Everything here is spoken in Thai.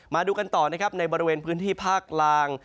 มาดูกันต่อนะครับในบริเวณพื้นที่ภาคล่าง